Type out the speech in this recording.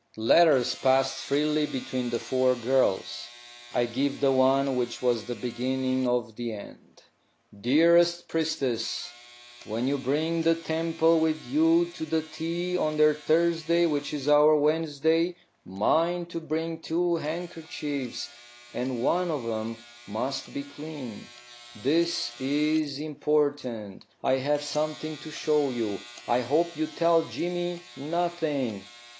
Letters passed freely between the four girls. I give the one which was the beginning of the end: "DEAREST PRIESTESS, When you bring the temple with you to tea on their Thursday wich is our Wensday, mind to bring two handkercheeves, and one of them must be clean. This is important. I have something to show you. I hope you tell Jimy nothing.